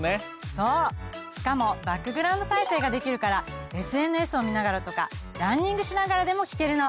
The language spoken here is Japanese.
しかもバックグラウンド再生ができるからＳＮＳを見ながらとかランニングしながらでも聞けるの。